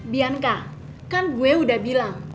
bianka kan gue udah bilang